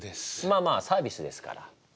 まあまあサービスですから。